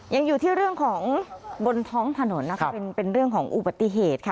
ยังอยู่ที่เรื่องของบนท้องถนนนะคะเป็นเรื่องของอุบัติเหตุค่ะ